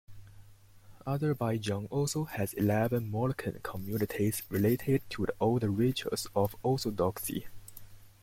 Azerbaijan also has eleven Molokan communities related to the old rituals of Orthodoxy.